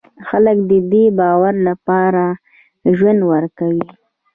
خلک د دې باور لپاره ژوند ورکوي.